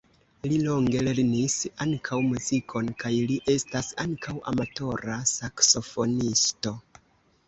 Li longe lernis ankaŭ muzikon kaj li estas ankaŭ amatora saksofonisto.